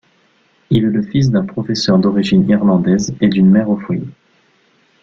Il est le fils d'un professeur d'origine irlandaise et d'une mère au foyer.